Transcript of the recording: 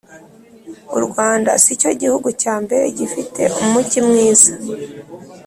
u rwanda sicyo gihugu cya mbere gifite umugi mwiza